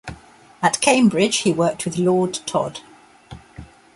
At Cambridge he worked with Lord Todd.